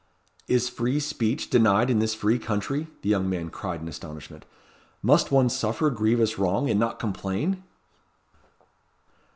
"Is free speech denied in this free country?" the young man cried in astonishment. "Must one suffer grievous wrong, and not complain?"